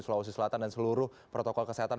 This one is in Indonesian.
sulawesi selatan dan seluruh protokol kesehatan